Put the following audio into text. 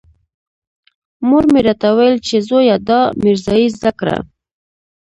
مور مې راته ويل چې زويه دا ميرزايي زده کړه.